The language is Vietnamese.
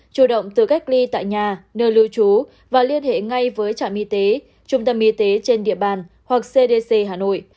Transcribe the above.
chủ động tự cách ly tại nhà nơi lưu trú và liên hệ ngay với trạm y tế trung tâm y tế trên địa bàn hoặc cdc hà nội